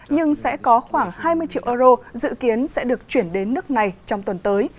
nhưng sẽ có khoảng hai mươi triệu euro dự kiến sẽ được chuyển đến nước này trong tuần tới